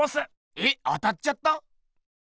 えっ当たっちゃった？